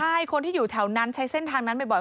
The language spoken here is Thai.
ใช่คนที่อยู่แถวนั้นใช้เส้นทางนั้นบ่อย